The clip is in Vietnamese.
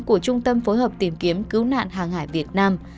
của trung tâm phối hợp tìm kiếm cứu nạn hàng hải việt nam